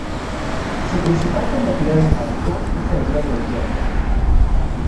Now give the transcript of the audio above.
Su principal competidor en la región es el diario El Tiempo.